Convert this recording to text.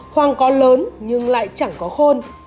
hoàng có lớn nhưng lại chẳng có khôn